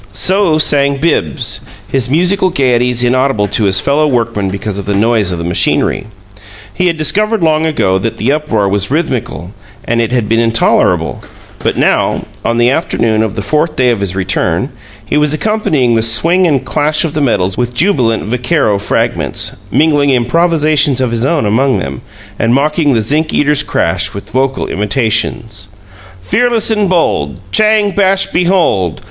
So sang Bibbs, his musical gaieties inaudible to his fellow workmen because of the noise of the machinery. He had discovered long ago that the uproar was rhythmical, and it had been intolerable; but now, on the afternoon of the fourth day of his return, he was accompanying the swing and clash of the metals with jubilant vaquero fragments, mingling improvisations of his own among them, and mocking the zinc eater's crash with vocal imitations: Fearless and bold, Chang! Bash! Behold!